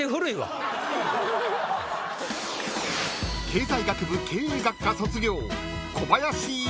［経済学部経営学科卒業］